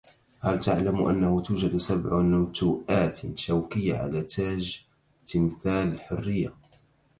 هل تعلم أنه توجد سبع نتوءات شوكية على تاج تمثال الحرية.